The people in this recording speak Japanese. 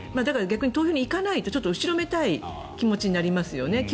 逆に投票に行かないと後ろめたい気持ちになりますよね。